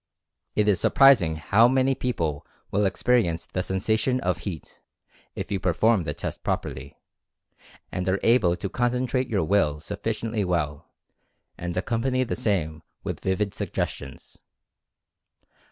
It is surprising how many people will experi ence the sensation of heat, if you perform the test properly, and are able to concentrate your Will suf ficiently well, and accompany the same with vivid suggestions.